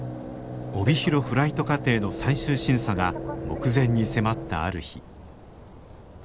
帯広フライト課程の最終審査が目前に迫ったある日。